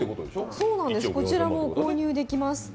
そうなんです、こちらも購入できます。